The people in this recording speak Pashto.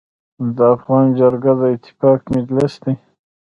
د افغان جرګه د اتفاق مجلس دی.